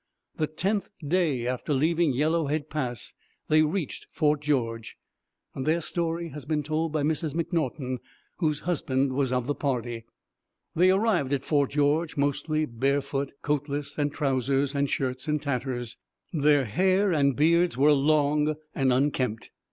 The tenth day after leaving Yellowhead Pass they reached Fort George. Their story has been told by Mrs MacNaughton, whose husband was of the party. They arrived at Fort George mostly barefoot, coatless, and trousers and shirts in tatters. Their hair and beards were long and unkempt.